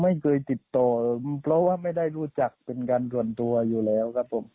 ไม่เคยติดต่อเพราะว่าไม่ได้รู้จักเป็นการส่วนตัวอยู่แล้วครับผม